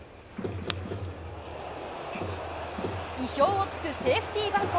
意表を突くセーフティーバント！